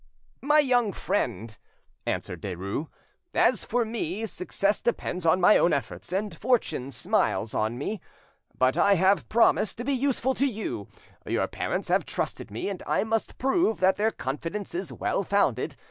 "My young friend," answered Derues, "as for me, success depends on my own efforts, and fortune smiles on me. But I have promised to be useful to you, your parents have trusted me, and I must prove that their confidence is well founded.